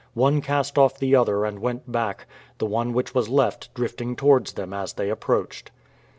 One cast off the other and went back, the one which was left drifting towards them as they approached.